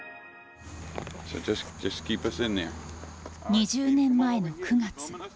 ２０年前の９月。